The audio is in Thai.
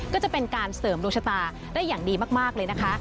ก็จะเป็นการเสริมดวงชะตาได้อย่างดีมากเลยนะคะ